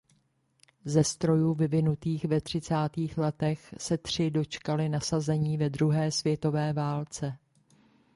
Ze strojů vyvinutých ve třicátých letech se tři dočkaly nasazení ve druhé světové válce.